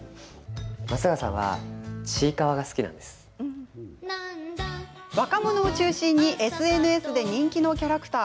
松坂さんは若者を中心にＳＮＳで人気のキャラクター。